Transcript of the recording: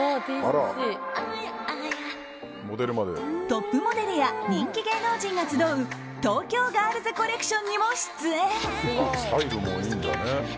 トップモデルや人気芸能人が集う東京ガールズコレクションにも出演。